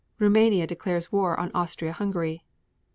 Roumania declares war on Austria Hungary.